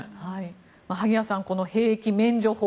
萩谷さん、この兵役免除法